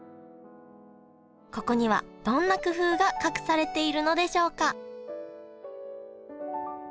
ここにはどんな工夫が隠されているのでしょうか？